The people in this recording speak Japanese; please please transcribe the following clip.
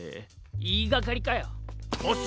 いいがかりかよ。